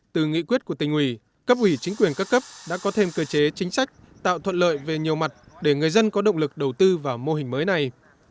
từ nghị quyết của tỉnh ủy cấp ủy chính quyền các cấp đã có thêm cơ chế chính sách tạo thuận lợi về nhiều mặt để người dân có động lực đầu tư vào mô hình mới này